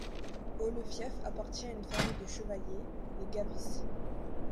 Au le fief appartient à une famille de chevaliers, les Gavis.